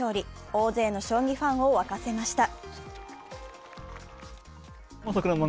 大勢の将棋ファンを沸かせました。